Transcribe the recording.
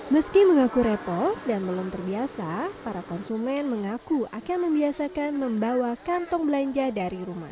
meski mengaku repo dan belum terbiasa para konsumen mengaku akan membiasakan membawa kantong belanja dari rumah